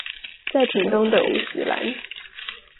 在屏東的五十嵐